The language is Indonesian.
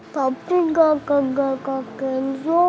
tapi gak ke gak ke kenzo